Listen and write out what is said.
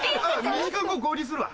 ２時間後合流するわ。